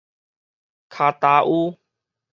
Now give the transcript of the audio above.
跤頭趺